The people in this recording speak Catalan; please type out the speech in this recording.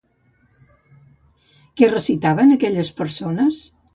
Què recitaven aquelles persones?